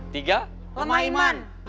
tiga lemah iman